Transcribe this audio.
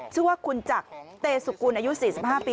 ชื่อว่าคุณจักรเตสุกุลอายุ๔๕ปี